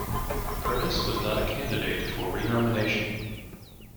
Curtis was not a candidate for renomination.